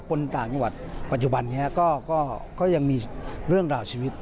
คนต่างจังหวัดปัจจุบันนี้ก็ยังมีเรื่องราวชีวิต